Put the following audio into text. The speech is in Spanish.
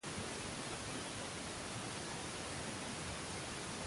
Preguntas y respuestas sobre la Constitución